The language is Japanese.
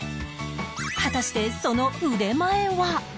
果たしてその腕前は？